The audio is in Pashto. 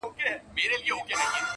اورنګ زېب سو په ژړا ویل وېرېږم،